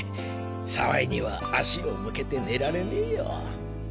澤井には足を向けて寝られねぇよ。